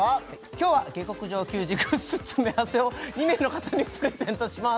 今日は「下剋上球児」グッズ詰め合わせを２名の方にプレゼントします